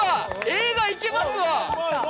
映画行けますわ！